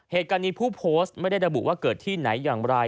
เหตุการณ์นี้ผู้โพสต์ไม่ได้ระบุว่าเกิดที่ไหนอย่างไร